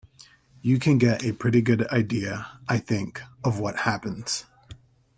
You can get a pretty good idea, I think, of what happens.